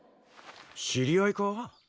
知り合いか？